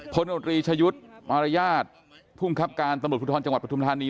พรชมรรยาทภูมิครับการตำรวจพลุทธรจังหวัดประทุมธารณี